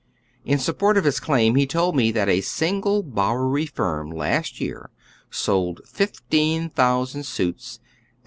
In support of his claim he told me that a single Bowery firm last year sold fif teen thousand suits at $1.